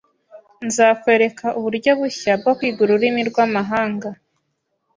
Nzakwereka uburyo bushya bwo kwiga ururimi rwamahanga.